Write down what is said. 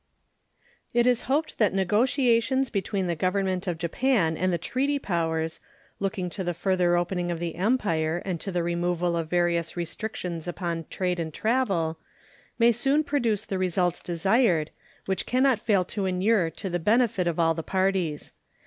It is hoped that negotiations between the Government of Japan and the treaty powers, looking to the further opening of the Empire and to the removal of various restrictions upon trade and travel, may soon produce the results desired, which can not fail to inure to the benefit of all the parties.